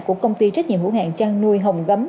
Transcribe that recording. của công ty trách nhiệm hữu hạng chăn nuôi hồng gấm